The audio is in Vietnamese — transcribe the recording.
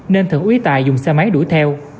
nên thượng úy tài dùng xe máy đuổi theo